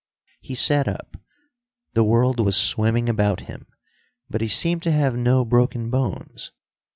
He sat up. The world was swimming about him, but he seemed to have no broken bones.